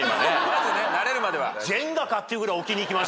まずね慣れるまでは。